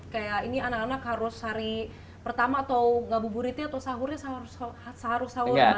kayak ini anak anak harus hari pertama atau ngabur buritnya atau sahurnya seharus seharus